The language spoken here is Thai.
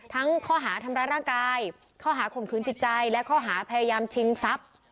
ทั้งข้อหาทำร้ายร่างกายข้อหาข่มขืนจิตใจและข้อหาพยายามชิงทรัพย์